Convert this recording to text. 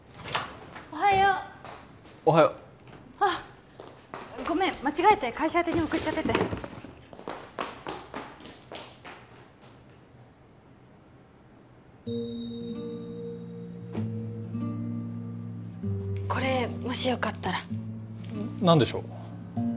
おはようおはようあごめん間違えて会社宛てに送っちゃっててこれもしよかったら何でしょう？